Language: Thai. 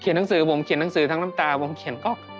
หนังสือวงเขียนหนังสือทั้งน้ำตาวงเขียนก๊อก